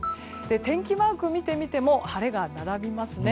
天気マークを見てみても晴れが並びますね。